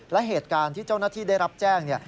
และเหตุการณ์ที่เจ้าหน้าที่ได้รับแจ้ง